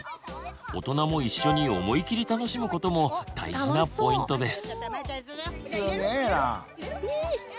大人も一緒に思いきり楽しむことも大事なポイントです。